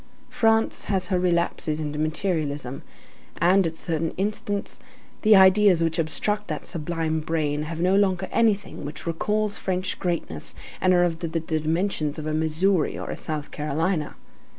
France has her relapses into materialism, and, at certain instants, the ideas which obstruct that sublime brain have no longer anything which recalls French greatness and are of the dimensions of a Missouri or a South Carolina.